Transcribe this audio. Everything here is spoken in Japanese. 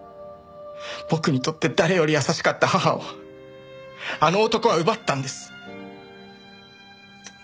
僕にとって誰より優しかった母をあの男は奪ったんです。